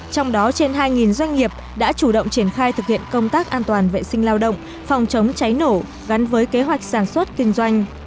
trong đó trên hai doanh nghiệp đã chủ động triển khai thực hiện công tác an toàn vệ sinh lao động phòng chống cháy nổ gắn với kế hoạch sản xuất kinh doanh